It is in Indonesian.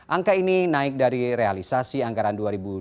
angka ini naik dari realisasi anggaran dua ribu dua puluh